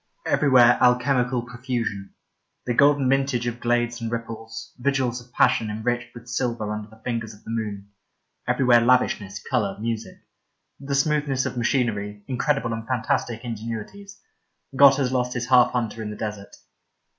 Everywhere alchemical profusion — ^the golden mintage of glades and ripples, vigils of passion enriched with silver under the fingers of the moon ; everywhere lavishness, colour, music ; the smoothness of machinery, incredible and fantastic ingenuities. God has lost his half hunter in the desert.